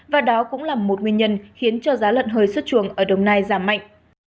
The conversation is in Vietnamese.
và đó cũng là một nguyên nhân khiến cho giá lợn hơi xuất trường ở đồng nai giảm mạnh